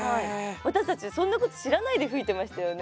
私たちそんなこと知らないで吹いてましたよね。